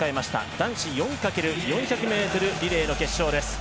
男子４×４００ｍリレーの決勝です。